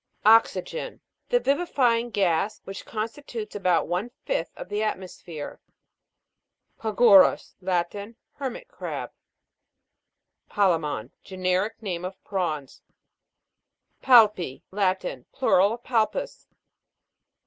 OX'YGEN. The vivifying gas, which constitutes about one fifth of the atmosphere. PAGU'RUS. Latin. Hermit crab. PALJE'MON. Generic name of prawns. PAL'PI. Latin. Plural of Palpus.